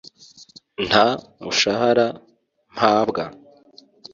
Nta mushahara mpabwa!